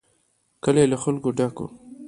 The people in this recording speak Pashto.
کلی له خلکو ډک و.